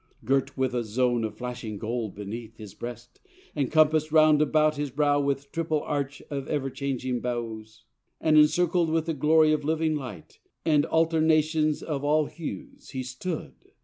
Girt with a Zone of flashing gold beneath His breast, and compass'd round about his brow With triple arch of everchanging bows, And circled with the glory of living light And alternations of all hues, he stood.